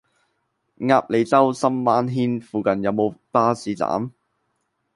鴨脷洲深灣軒附近有無巴士站？